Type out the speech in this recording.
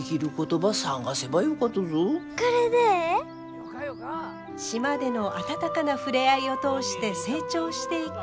島での温かな触れ合いを通して成長していく舞。